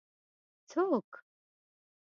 ـ څوک؟